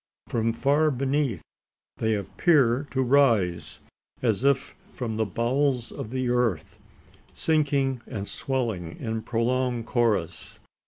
From far beneath, they appear to rise as if from the bowels of the earth, sinking and swelling in prolonged chorus.